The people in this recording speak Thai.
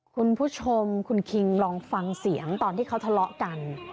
คุณผู้ชมคุณคิงลองฟังเสียงตอนที่เขาทะเลาะกัน